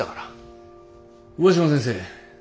上嶋先生